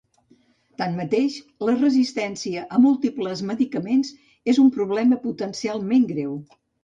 Tanmateix, la resistència a múltiples medicaments és un problema potencialment greu.